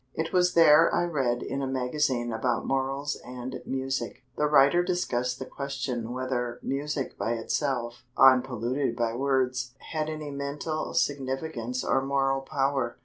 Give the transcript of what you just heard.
It was there I read in a magazine about morals and music. The writer discussed the question whether music by itself, unpolluted by words, had any "mental significance or moral power."